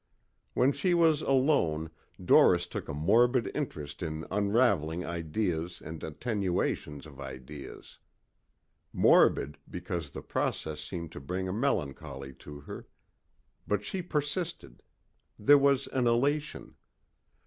When she was alone Doris took a morbid interest in unravelling ideas and attenuations of ideas. Morbid, because the process seemed to bring a melancholy to her. But she persisted. There was an elation.